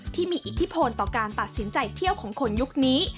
ที่มีอิทธิพลต่อการตัดสินใจเที่ยวของคนยุคนี้